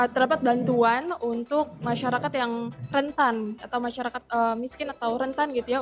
terdapat bantuan untuk masyarakat yang rentan atau masyarakat miskin atau rentan gitu ya